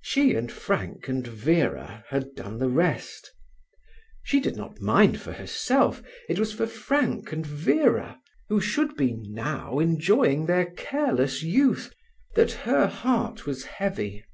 She and Frank and Vera had done the rest. She did not mind for herself; it was for Frank and Vera, who should be now enjoying their careless youth, that her heart was heavy."